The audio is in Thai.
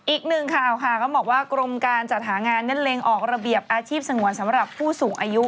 อีกหนึ่งข่าวค่ะก็บอกว่ากรมการจัดหางานนั้นเล็งออกระเบียบอาชีพสงวนสำหรับผู้สูงอายุ